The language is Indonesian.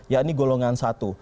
yakni golongan satu